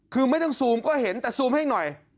คือไม่ต้องซูมก็เห็นแต่ซูมให้หน่อย